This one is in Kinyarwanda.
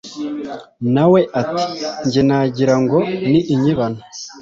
Na we ati jye nagira ngo ni inyibano!